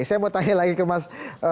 saya mau tanya lagi ke mas